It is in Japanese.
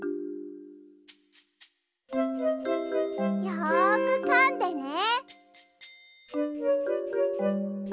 よくかんでね。